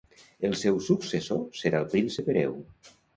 El seu successor serà el príncep hereu.